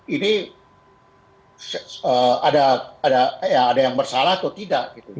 ini ada yang bersalah atau tidak